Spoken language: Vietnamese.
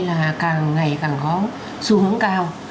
là càng ngày càng có xu hướng cao